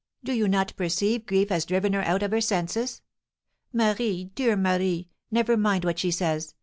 Do you not perceive grief has driven her out of her senses? Marie! dear Marie! never mind what she says.